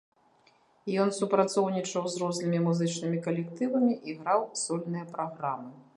Ён супрацоўнічаў з рознымі музычнымі калектывамі і граў сольныя праграмы.